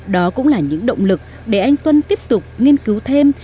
đó cũng là những động lực để anh tuân tiếp tục nghiên cứu thêm